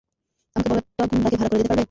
আমাকে বড় একটা গুন্ডাকে ভাড়া করে দিতে পারবে?